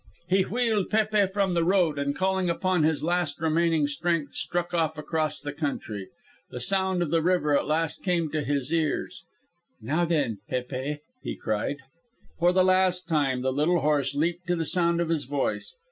He wheeled Pépe from the road, and calling upon his last remaining strength, struck off across the country. The sound of the river at last came to his ears. "Now, then, Pépe," he cried. For the last time the little horse leaped to the sound of his voice.